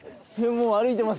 もう歩いてます